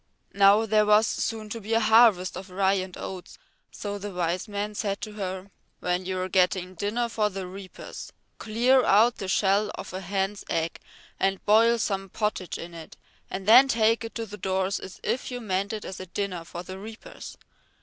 Now there was soon to be a harvest of rye and oats, so the Wise Man said to her, "When you are getting dinner for the reapers, clear out the shell of a hen's egg and boil some pottage in it, and then take it to the door as if you meant it as a dinner for the reapers.